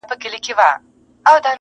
« صدقې لره یې غواړم د د لبرو.!